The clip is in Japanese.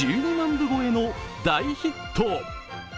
部超えの大ヒット。